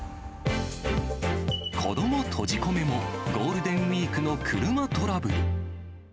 子ども閉じ込めも、ゴールデンウィークの車トラブル。